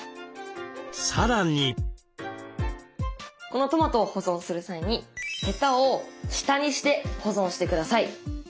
このトマトを保存する際にヘタを下にして保存してください。